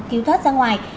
cứu thoát ra ngoài